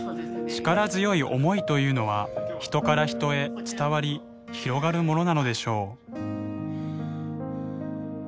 力強い思いというのは人から人へ伝わり広がるものなのでしょう。